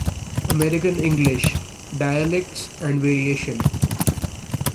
American English: Dialects and Variation.